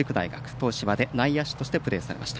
東芝で内野手としてプレーされました。